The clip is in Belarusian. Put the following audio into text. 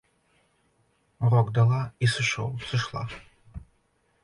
Урок дала і сышоў, сышла.